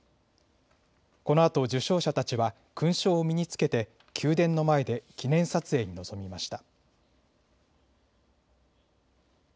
このあと受章者たちは勲章を身に着けて宮殿の前で記念撮影に臨みました。